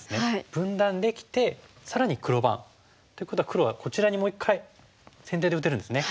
分断できて更に黒番。ということは黒はこちらにもう一回先手で打てるんですね。